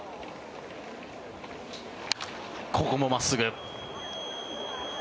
ここも真っすぐ。